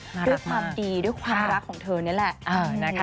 ด้วยความดีด้วยความรักของเธอนี่แหละนะคะ